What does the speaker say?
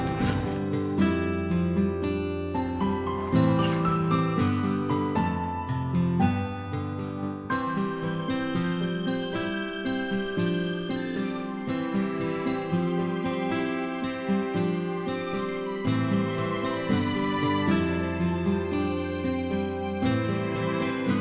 tunggu dulu andara